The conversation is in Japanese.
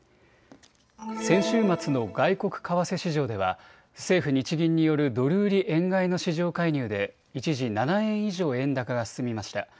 先週末の外国為替市場では政府・日銀によるドル売り円買いの市場介入で一時、７円以上円高が進みました。